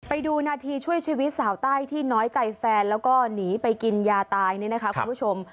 ไปดูนาทีช่วยชีวิตสาวใต้ที่น้อยใจแฟนแล้วก็หนีไปกินยาตายนี่นะคะคุณผู้ชม